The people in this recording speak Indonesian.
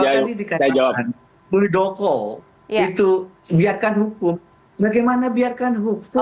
tadi dikatakan buldoko itu biarkan hukum bagaimana biarkan hukum